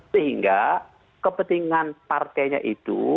sehingga kepentingan partainya itu